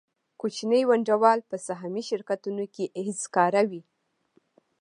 کوچني ونډه وال په سهامي شرکتونو کې هېڅکاره وي